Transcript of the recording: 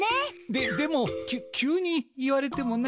ででもきゅ急に言われてもな。